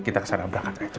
kita kesana berangkat aja